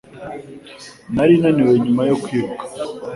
Nari naniwe nyuma yo kwiruka.